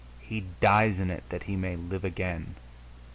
He dies in it that he may live again....